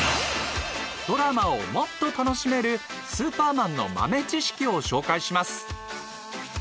ドラマをもっと楽しめる「スーパーマン」の豆知識を紹介します。